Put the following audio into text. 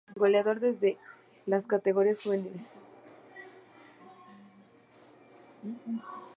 Goleador desde las categorías juveniles